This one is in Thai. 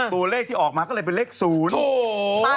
ตัวเลขที่ออกมาก็เลยเป็นเลข๐